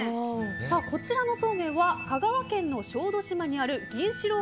こちらのそうめんは香川県の小豆島にある銀四郎